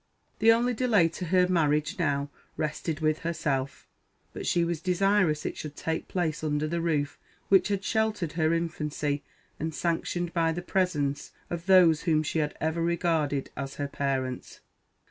The only delay to her marriage now rested with herself; but she was desirous it should take place under the roof which had sheltered her infancy, and sanctioned by the presence of those whom she had ever regarded as her parents.